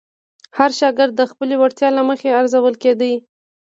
هر شاګرد د خپلې وړتیا له مخې ارزول کېده.